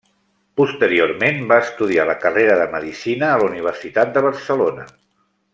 Posteriorment va estudiar la carrera de Medicina a la Universitat de Barcelona.